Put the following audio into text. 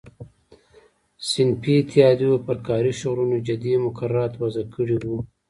صنفي اتحادیو پر کاري شغلونو جدي مقررات وضع کړي وو.